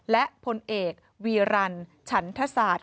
และพลเอกวีรันฉันทศาสตร์